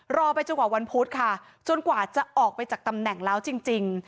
รอไปจังหวะวันพุธค่ะจนกว่าจะออกไปจากตำแหน่งแล้วจริง